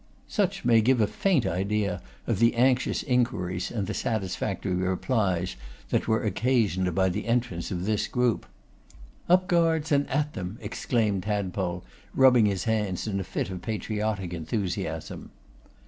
Such may give a faint idea of the anxious inquiries and the satisfactory replies that were occasioned by the entrance of this group. 'Up, guards, and at them!' exclaimed Tadpole, rubbing his hands in a fit of patriotic enthusiasm.